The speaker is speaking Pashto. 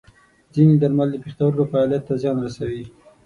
ځینې درمل د پښتورګو فعالیت ته زیان رسوي.